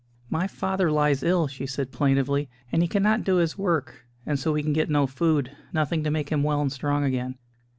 "My father lies ill," she said plaintively, "and he cannot do his work, and so we can get no food: nothing to make him well and strong again.